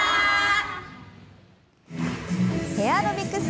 エアロビクス